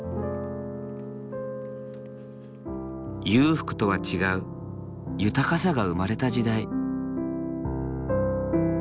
裕福とは違う豊かさが生まれた時代。